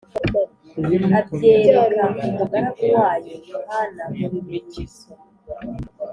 abyereka umugaragu wayo Yohana mu bimenyetso